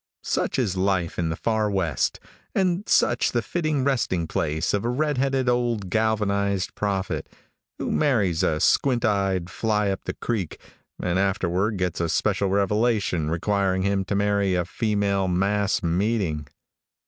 Such is life in the far west, and such the fitting resting place of a red headed old galvanized prophet, who marries a squint eyed fly up the creek, and afterward gets a special revelation requiring him to marry a female mass meeting.